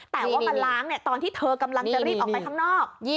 แต่ว่ามาล้างตอนที่เธอกำลังจะรีบออกไปข้างนอก